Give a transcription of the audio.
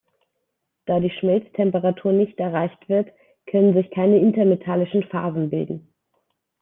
Da die Schmelztemperatur nicht erreicht wird, können sich keine intermetallischen Phasen bilden.